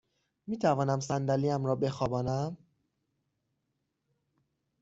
می توانم صندلی ام را بخوابانم؟